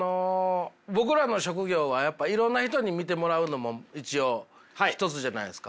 僕らの職業はやっぱいろんな人に見てもらうのも一応一つじゃないですか。